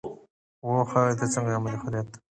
All songs recorded as Five Go Down to the Sea?